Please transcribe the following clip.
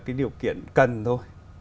cái điều kiện cần thôi